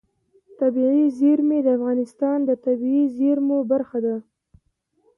طبیعي زیرمې د افغانستان د طبیعي زیرمو برخه ده.